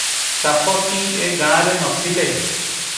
ସାପ କି ଏ ଗାଁରେ ନ ଥିଲେ?